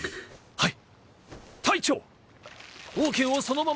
はい！